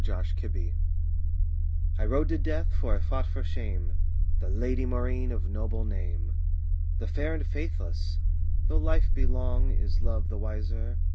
ROMAUNT OF THE OAK "I rode to death, for I fought for shame The Lady Maurine of noble name, "The fair and faithless! Though life be long Is love the wiser?